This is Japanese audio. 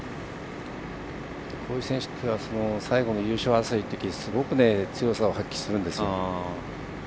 こういう選手というのは最後の優勝争いのときにすごく強さを発揮するんですよ。